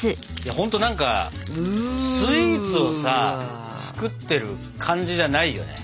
ほんと何かスイーツをさ作ってる感じじゃないよね。